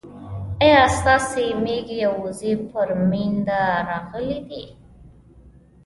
ايا ستاسي ميږي او وزې پر مينده راغلې دي